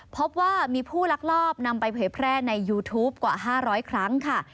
พบว่ามีผู้ลักลอบนำไปเผยแพร่ในยูทูปกว่า๕๐๐ครั้งค่ะ